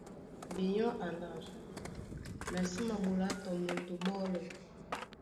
Binyɔ́ alâ, na sí maɓolá tɔ moto ɓɔ́lɔ.